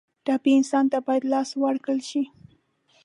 ټپي انسان ته باید لاس ورکړل شي.